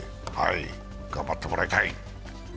頑張ってもらいたい！